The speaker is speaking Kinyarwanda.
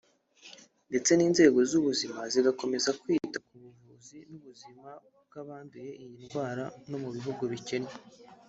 ndetse inzego z’ubuzima zigakomeza kwita ku buvuzi n’ubuzima bw’abanduye iyi ndwara no mu bihugu bikennye